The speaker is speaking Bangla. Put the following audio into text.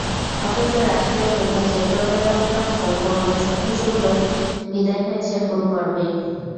অথচ রাশিয়া, সুইডেন, চেক প্রজাতন্ত্রের মতো পুরোনো শক্তিগুলোর বিদায় হয়েছে গ্রুপ পর্বেই।